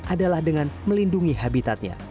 adalah dengan melindungi habitatnya